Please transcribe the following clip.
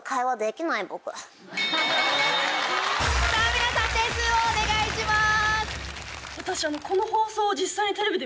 皆さん点数をお願いします。